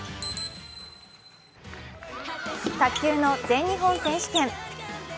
卓球の全日本選手権。